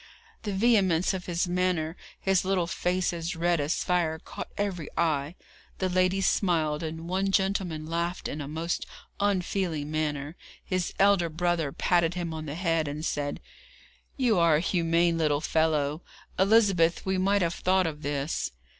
The vehemence of his manner, his little face as red as fire, caught every eye. The ladies smiled, and one gentleman laughed in a most unfeeling manner. His elder brother patted him on the head, and said: 'You are a humane little fellow. Elizabeth, we might have thought of this.'